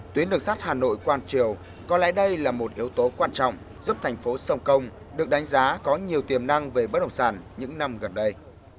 tuyến đường sắt hà nội quang triều có lẽ đây là một yếu tố quan trọng giúp thành phố sông công được đánh giá có nhiều tiềm năng về bất động sản những năm gần đây